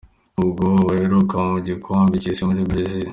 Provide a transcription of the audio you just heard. ubwo baheruka mu igikombe cy’isi muri Brazil